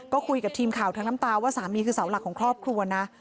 ก็คุยกับทีมข่าวทั้งน้ำตาว่าสามีคือเสาหลักของครอบครัวนะ